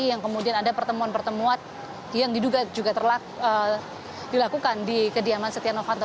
yang kemudian ada pertemuan pertemuan yang diduga juga dilakukan di kediaman setia novanto